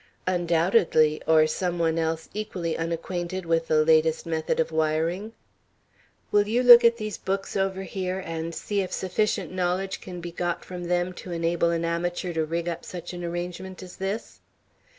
"Undoubtedly, or some one else equally unacquainted with the latest method of wiring." "Will you look at these books over here and see if sufficient knowledge can be got from them to enable an amateur to rig up such an arrangement as this?"